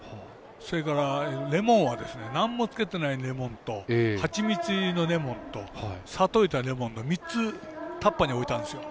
それから、レモンは何もつけてないレモンと蜂蜜入りのレモンと砂糖入れたレモンの３つタッパーに入れてあるんですよ。